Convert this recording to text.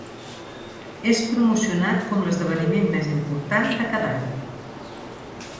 És promocionat com l'esdeveniment més important de cada any.